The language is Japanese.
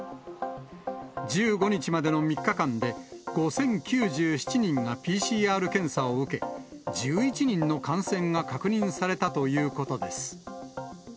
１５日までの３日間で５０９７人がＰＣＲ検査を受け、１１人の感染が確認されたということです。